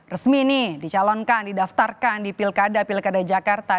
resmi nih dicalonkan didaftarkan di pilkada pilkada jakarta